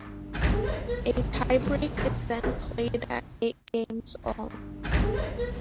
A tie-break is then played at eight games all.